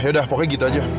yaudah pokoknya gitu aja